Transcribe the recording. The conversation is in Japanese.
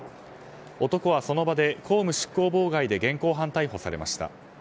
男はその場で公務執行妨害で現行犯逮捕されました。